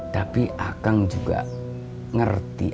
tapi akang juga ngerti